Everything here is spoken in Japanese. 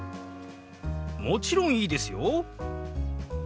もちろんいいですよ！